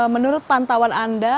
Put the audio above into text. menurut pantawan anda